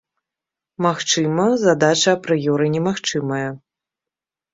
Магчыма, задача апрыёры немагчымая.